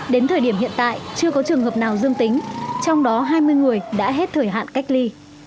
đến thời điểm hiện tại chưa có trường hợp nào dương tính trong đó hai mươi người đã hết thời hạn cách ly